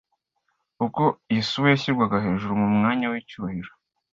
Ubwo Yosuwa yashyirwaga hejuru mu mwanya w’icyubahiro